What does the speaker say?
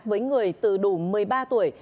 với người từ đủ một mươi ba tuổi